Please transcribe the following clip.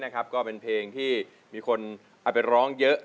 ก็เป็นเพลงที่มีคนเอาไปร้องเยอะ